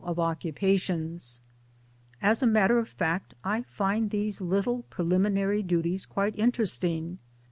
of occupations ; as a matter of fact I find these little preliminary duties quite interesting.